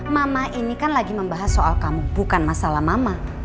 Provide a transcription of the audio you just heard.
mama ini kan lagi membahas soal kamu bukan masalah mama